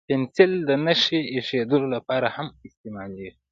پنسل د نښې اېښودلو لپاره هم استعمالېږي.